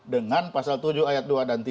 dengan pasal tujuh ayat dua dan tiga